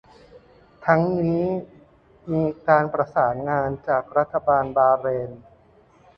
ทั้งนี้มีการประสานงานจากรัฐบาลบาห์เรน